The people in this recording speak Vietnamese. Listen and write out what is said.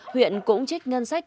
huyện cũng trích ngân sách